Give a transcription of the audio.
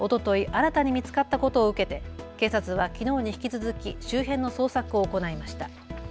新たに見つかったことを受けて警察はきのうに引き続き周辺の捜索を行いました。